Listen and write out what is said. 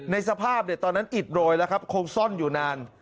ในสภาพตอนนั้นอิดโรยแล้วครับคงซ่อนอยู่นาน